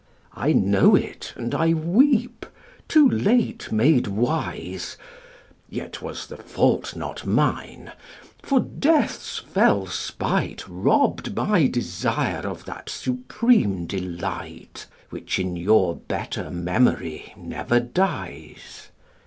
I know it and I weep, too late made wise: Yet was the fault not mine; for death's fell spite Robbed my desire of that supreme delight, Which in your better memory never dies.